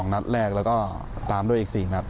นัดแรกแล้วก็ตามด้วยอีก๔นัด